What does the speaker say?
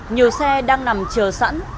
nhiều xe đang nằm chờ sẵn